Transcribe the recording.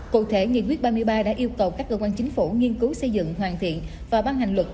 cụ thể nghị quyết ba mươi ba đã yêu cầu các cơ quan chính phủ nghiên cứu xây dựng hoàn thiện và ban hành luật